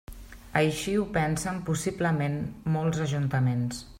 Així ho pensen possiblement molts ajuntaments.